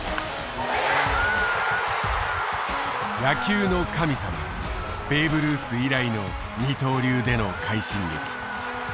野球の神様ベーブ・ルース以来の二刀流での快進撃。